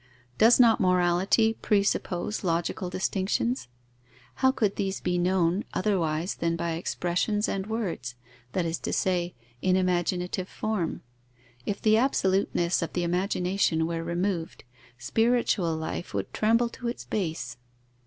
Does not morality presuppose logical distinctions? How could these be known, otherwise than by expressions and words, that is to say, in imaginative form? If the absoluteness of the imagination were removed, spiritual life would tremble to its base.